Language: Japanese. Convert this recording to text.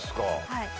はい。